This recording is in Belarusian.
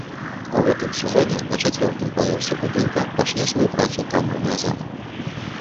У гэтым сезоне на чацвёртым паверсе будынка пачне сваю працу камерная зала.